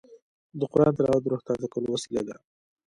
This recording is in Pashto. د قرآن تلاوت د روح تازه کولو وسیله ده.